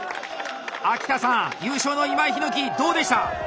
秋田さん優勝の今井陽樹どうでした？